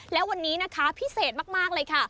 และวันนี้นะคะพิเศษมากเลยค่ะ